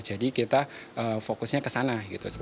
jadi kita fokusnya ke sana